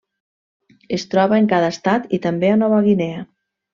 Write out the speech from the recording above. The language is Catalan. Es troba en cada estat i també a Nova Guinea.